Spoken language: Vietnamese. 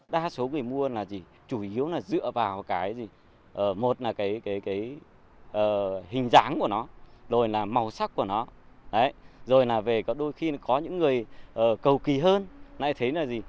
đa số người mua là gì chủ yếu là dựa vào cái gì một là cái hình dáng của nó rồi là màu sắc của nó rồi là về đôi khi có những người cầu kỳ hơn nay thấy là gì